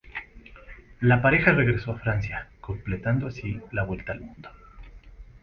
La pareja regresó a Francia, completando así la vuelta al mundo.